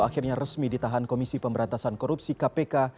akhirnya resmi ditahan komisi pemberantasan korupsi kpk